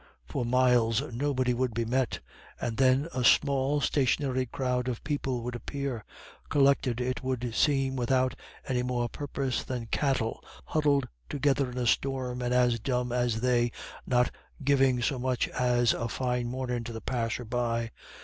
For miles nobody would be met, and then a small stationary crowd of people would appear, collected it would seem without any more purpose than cattle huddled together in a storm, and as dumb as they, not giving so much as a "fine mornin'" to the passer by.